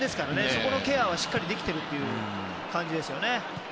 そこのケアは、しっかりできているという感じです。